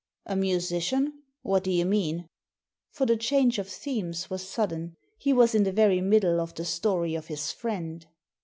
A musician ? What do you mean ?" For the change of themes was sudden. He was in the very middle of the story of his friend.